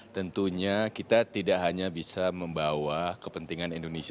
tentunya kita tidak hanya bisa membawa kepentingan indonesia